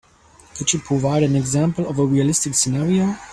Could you provide an example of a realistic scenario?